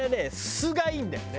素がいいんだよね！